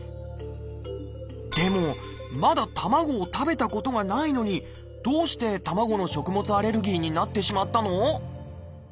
でもまだ卵を食べたことがないのにどうして卵の食物アレルギーになってしまったの？